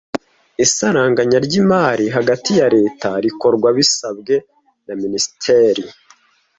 Isaranganya ry’imari hagati ya Leta rikorwa bisabwe na minisiteri